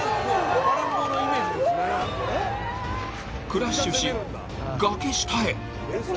クラッシュし、崖下へ。